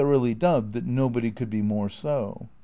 ughly dubbed that nobody could be more so.